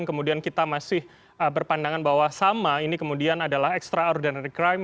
kemudian kita masih berpandangan bahwa sama ini kemudian adalah extraordinary crime